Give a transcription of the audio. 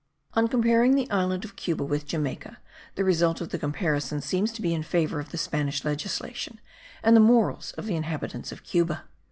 On comparing the island of Cuba with Jamaica, the result of the comparison seems to be in favour of the Spanish legislation, and the morals of the inhabitants of Cuba.